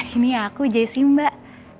ini aku jessy mbak